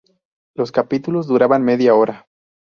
Los capítulos duraban media hora.